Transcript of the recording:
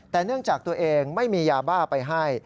แต่เนื่องจากตัวเองไม่มียาบ้าไปให้